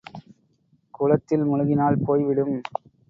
குளத்தில் முழுகினால் போய் விடும்.